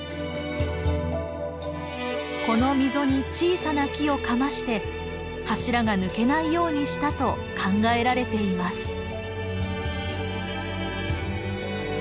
この溝に小さな木をかまして柱が抜けないようにしたと考えられています。